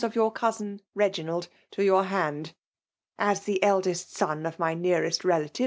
of your QOiudn Reginald to yoar hand. A«! the eldest son of my nearest relative.